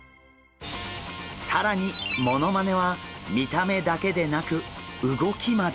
更にモノマネは見た目だけでなく動きまで。